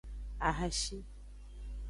Ahashi.